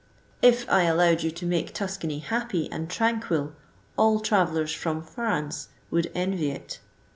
If I allowed you to make Tuscany ^op/)y 9* 102 and tranqmlj all travellers from France would envy i^."